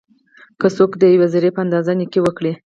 که څوک د یوې ذري په اندازه نيکي وکړي؛